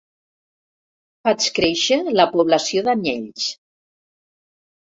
Faig créixer la població d'anyells.